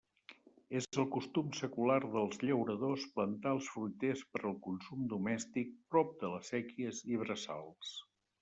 És el costum secular dels llauradors plantar els fruiters per al consum domèstic prop de les séquies i braçals.